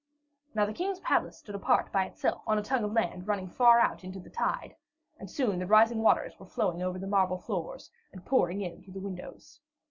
Now the King's palace stood apart by itself on a tongue of land running far out into the tide, and soon the rising waters were flowing over the marble floors and pouring in through the windows.